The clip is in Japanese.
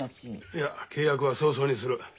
いや契約は早々にする。